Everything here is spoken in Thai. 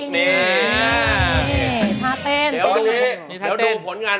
มีคุณพลูงมาก